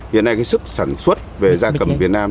hiện nay sức sản xuất về gia cầm việt nam